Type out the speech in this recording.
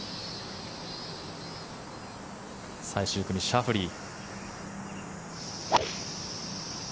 最終組、シャフリー。